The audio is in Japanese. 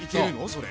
それ。